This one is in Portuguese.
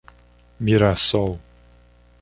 Mirassol